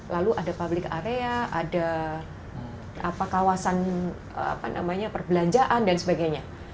lalu ada public area ada kawasan perbelanjaan dan sebagainya